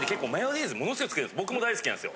僕も大好きなんですよ。